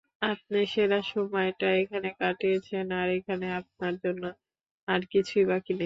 আপনি সেরা সময়টা এখানে কাটিয়েছেন, আর এখানে আপনার জন্য আর কিছুই বাকি নেই।